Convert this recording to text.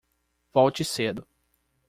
Volte cedo